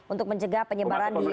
untuk mencegah penyebaran di